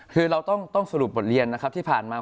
คือเราต้องสรุปบทเรียนนะครับที่ผ่านมา